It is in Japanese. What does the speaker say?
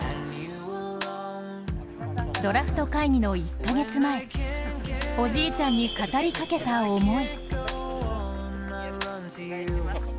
ドラフト会議の１カ月前おじいちゃんに語りかけた思い。